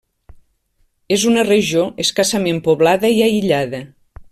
És una regió escassament poblada i aïllada.